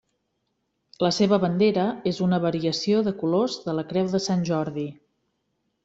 La seva bandera és una variació de colors de la creu de Sant Jordi.